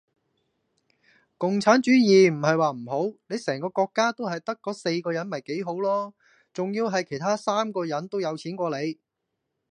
共產主義唔系話唔好，你成個國家都系得四個人咪幾好羅!仲要系最好其它嗰三個人都有錢過你!